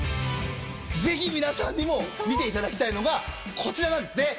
ぜひ皆さんにも見ていただきたいのがこちらなんですね。